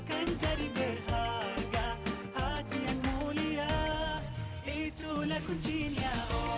kan jadi berharga hati yang mulia itulah kuncinya